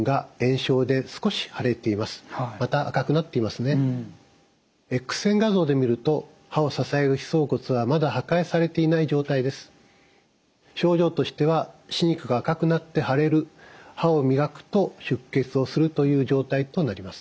症状としては歯肉が赤くなって腫れる歯を磨くと出血をするという状態となります。